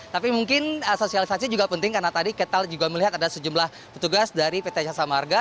tapi mungkin sosialisasi juga penting karena tadi kita juga melihat ada sejumlah petugas dari pt jasa marga